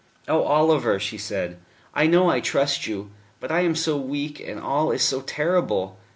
"Oh, Oliver," she said, "I know I trust you. But I am so weak, and all is so terrible.